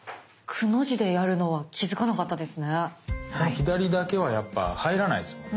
この左だけはやっぱ入らないですもんね。